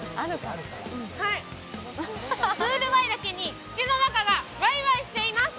プールＷＡＩだけに、口の中がわいわいしています。